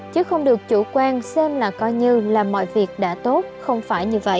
chứ không được chủ quan xem là coi như là mọi việc đã tốt không phải như vậy